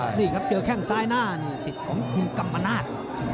ใช่ครับเจอแข้งซ้ายหน้าศิษย์ของคุณกัมมานาฬ